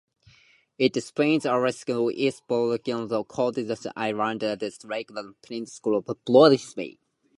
It spans Aleutians East Borough, Kodiak Island and Lake and Peninsula Borough.